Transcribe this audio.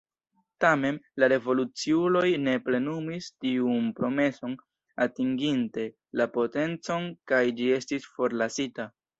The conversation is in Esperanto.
Tamen, la revoluciuloj ne plenumis tiun promeson atinginte la potencon kaj ĝi estis forlasita.